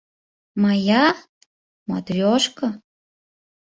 Моя... матрешка?!